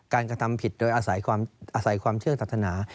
กระทำผิดโดยอาศัยความเชื่อศาสนา